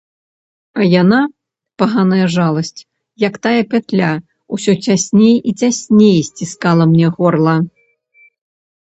А яна, паганая жаласць, як тая пятля, усё цясней і цясней сціскала мне горла.